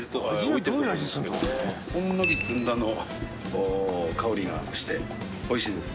ほんのりずんだの香りがして美味しいです。